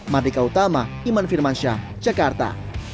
mardika utama iman firmansyah jakarta